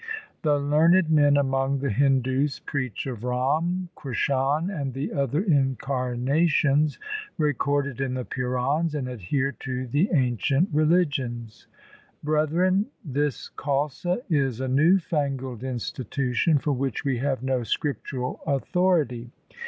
The learned men among the Hindus preach of Ram, Krishan, and the other incarnations recorded in the Purans, and adhere to the ancient religions. Brethren, this Khalsa is a new fangled institution for which we have no scriptural authority.